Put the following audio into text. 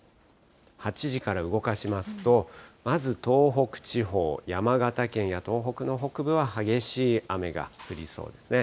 ８時から動かしますと、まず東北地方、山形県や東北の北部は激しい雨が降りそうですね。